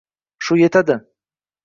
Shu yetadi.